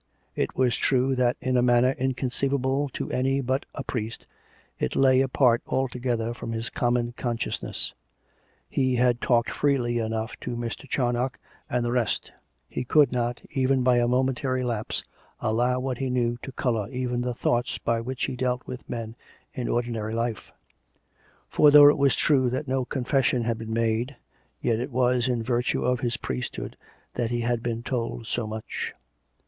It was true that in a manner inconceivable to any but a priest it lay apart altogether from his common conscious ness: he had talked freely enough to Mr. Charnoc and the rest; he could not, even by a momentary lapse, allow what he knew to colour even the thoughts by which he dealt with men in ordinary life; for though it was true that no confession had been made, yet it was in virtue of his priest hood that he had been told so much.